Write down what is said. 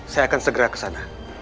saya akan segera kesana